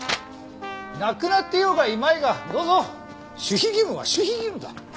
亡くなっていようがいまいがどうぞ守秘義務は守秘義務だ。